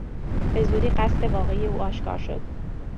به زودی قصد واقعی او آشکار شد.